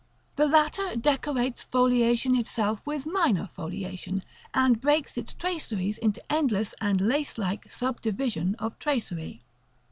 The latter decorates foliation itself with minor foliation, and breaks its traceries into endless and lace like subdivision of tracery.